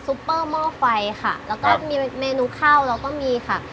ซุปเปอร์เมอร์ไฟค่ะครับแล้วก็มีเมนูข้าวแล้วก็มีค่ะ